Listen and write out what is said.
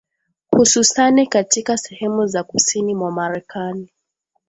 Hususani katika sehemu za kusini mwa marekani